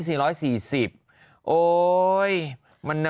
เช็ดแรงไปนี่